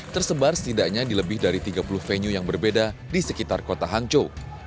tersebar setidaknya di lebih dari tiga puluh venue yang berbeda di sekitar kota hangzhou